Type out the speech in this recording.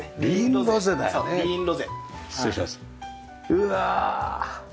うわ。